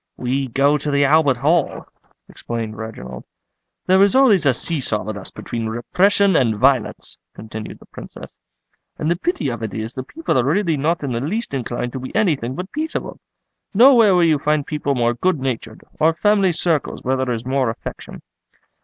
"We go to the Albert Hall," explained Reginald. "There is always a see saw with us between repression and violence," continued the Princess; "and the pity of it is the people are really not in the least inclined to be anything but peaceable. Nowhere will you find people more good natured, or family circles where there is more affection."